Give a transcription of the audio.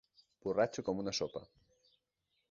Borratxo com una sopa.